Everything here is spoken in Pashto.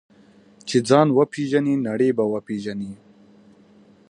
چې ځان وپېژنې، نړۍ به وپېژنې.